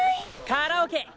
カラオケ！